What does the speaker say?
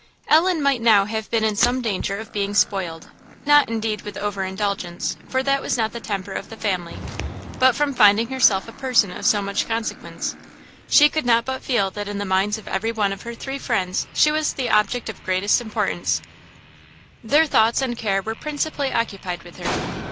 Ellen might now have been in some danger of being spoiled not, indeed, with over indulgence, for that was not the temper of the family but from finding herself a person of so much consequence. She could not but feel that in the minds of every one of her three friends she was the object of greatest importance; their thoughts and care were principally occupied with her.